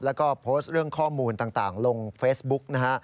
แล้วก็โพสต์เรื่องข้อมูลต่างลงเฟซบุ๊กนะฮะ